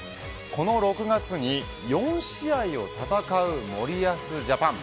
この６月に４試合を戦う森保ジャパン。